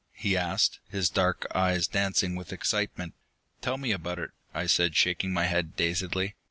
he asked, his dark eyes dancing with excitement. "Tell me about it," I said, shaking my head dazedly.